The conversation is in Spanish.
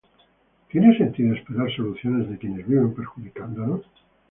¿Tiene sentido esperar soluciones de quienes viven perjudicándonos?